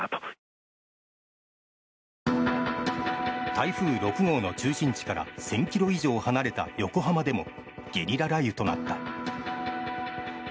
台風６号の中心地から１０００ｋｍ以上離れた横浜でもゲリラ雷雨となった。